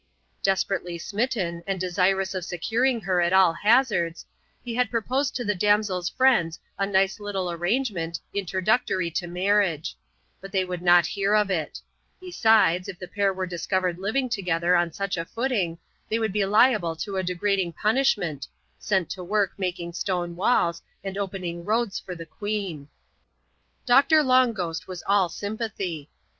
Desperately smitten, and desirous of securing her at all ha zards, he had proposed to the damsel's friends a nice little ar rangement, introductory to marriage ; but they would not hear of it ; besides , if the pair were discovered living together upon such a footing, they would be liable to a degrading punish ment, — sent to work making stone walls and opening roads for the queen. Doctor Long Ghost was all sympathy.